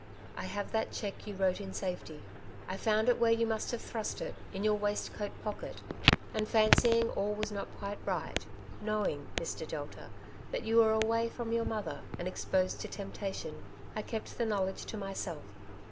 '^I have that cheque you wrote in safety. I found it where you must have thrust it, in your waistcoat pocket; and fancying all was not quite right — knowing, Mr. Delta, that you were away from your mother, and exposed to temptation, I kept the knowledge to myself.